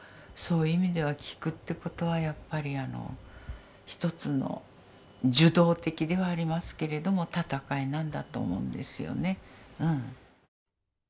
そういう意味では「きく」ってことはやっぱり一つの受動的ではありますけれども戦いなんだと思うんですよねうん。